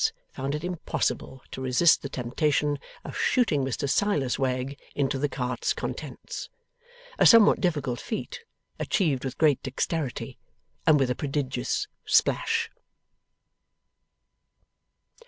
found it impossible to resist the temptation of shooting Mr Silas Wegg into the cart's contents. A somewhat difficult feat, achieved with great dexterity, and with a prodigious splash.